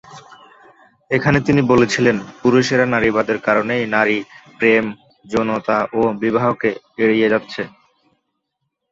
এখানে তিনি বলেছিলেন, পুরুষেরা নারীবাদের কারণেই নারী, প্রেম, যৌনতা ও বিবাহকে এড়িয়ে যাচ্ছে।